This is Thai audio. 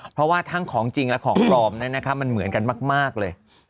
เพราะว่าทั้งของจริงและของปลอมมันเหมือนกันมากเลย